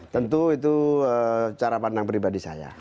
tentu itu cara pandang pribadi saya